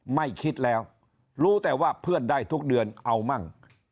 ไม่คิดแล้วรู้แต่ว่าเพื่อนได้ทุกเดือนเอามั่ง